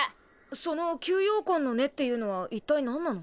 その吸妖魂の根っていうのは一体何なの？